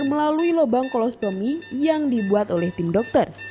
melalui lubang kolostomi yang dibuat oleh tim dokter